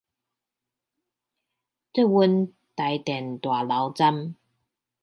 捷運臺電大樓站